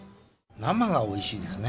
生がおいしいですね。